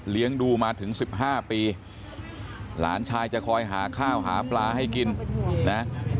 ดูมาถึง๑๕ปีหลานชายจะคอยหาข้าวหาปลาให้กินนะ